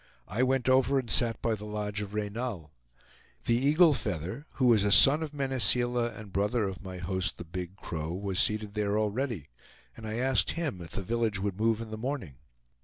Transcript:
I went over and sat by the lodge of Reynal. The Eagle Feather, who was a son of Mene Seela, and brother of my host the Big Crow, was seated there already, and I asked him if the village would move in the morning.